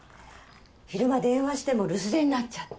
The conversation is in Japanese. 昼間電話しても留守電になっちゃって。